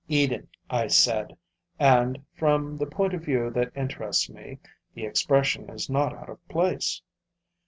Eden, I said; and, from the point of view that interests me, the expression is not out of place.